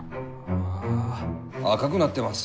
あ赤くなってます。